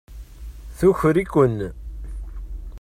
Tuker-iken.